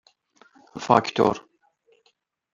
فاکتور